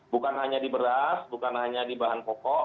bukan hanya di beras bukan hanya di bahan pokok